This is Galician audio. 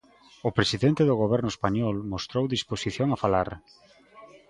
O presidente do goberno español mostrou disposición a falar.